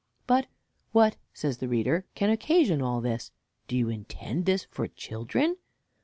But what, says the reader, can occasion all this? do you intend this for children?